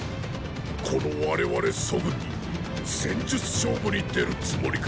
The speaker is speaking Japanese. この我々楚軍に戦術勝負に出るつもりか？